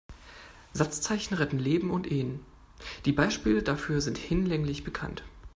Satzzeichen retten Leben und Ehen, die Beispiele dafür sind hinlänglich bekannt.